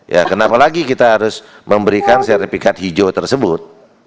ya kenapa lagi kita harus memberikan sertifikat hijau tersebut